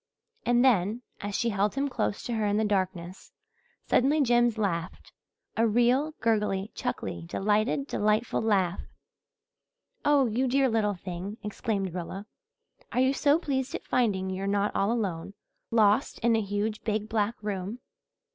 And then, as she held him close to her in the darkness, suddenly Jims laughed a real, gurgly, chuckly, delighted, delightful laugh. "Oh, you dear little thing!" exclaimed Rilla. "Are you so pleased at finding you're not all alone, lost in a huge, big, black room?"